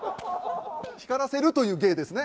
光らせるという芸ですね？